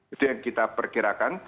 itu yang kita perkirakan